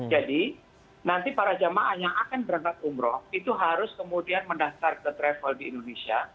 jadi para jemaah yang akan berangkat umroh itu harus kemudian menaftar ke travel di indonesia